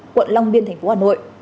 quận long biên tp hà nội